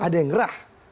ada yang ngerah